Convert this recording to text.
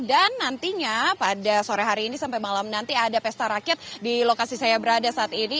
dan nantinya pada sore hari ini sampai malam nanti ada pesta rakyat di lokasi saya berada saat ini